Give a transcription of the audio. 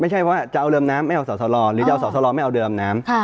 ไม่ใช่ว่าจะเอาเดิมน้ำไม่เอาสอสลหรือจะเอาสอสลอไม่เอาเดิมน้ำ